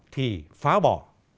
thì phá bỏ